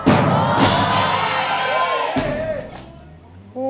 โอ้โฮ